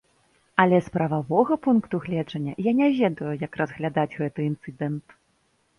Але з прававога пункту гледжання я не ведаю, як разглядаць гэты інцыдэнт.